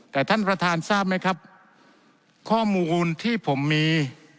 แต่ท่านประธานทราบไหมครับข้อมูลที่ผมมี